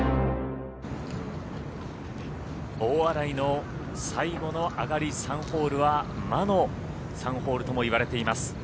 大洗の最後の上がり３ホールは魔の３ホールともいわれています。